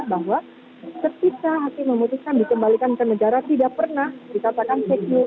bahwa ketika hakim memutuskan dikembalikan ke negara tidak pernah dikatakan secure